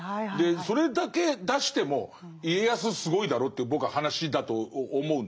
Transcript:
それだけ出しても家康すごいだろうという僕は話だと思うんですよ。